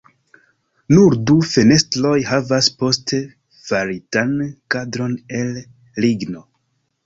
Nur du fenestroj havas poste faritan kadron el ligno.